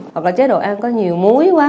hoặc là chế độ ăn có nhiều muối quá